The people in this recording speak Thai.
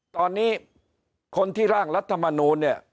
ตอนนี้คนที่ร่างรัฐมนูลเนี่ย